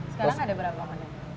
sekarang ada berapa menu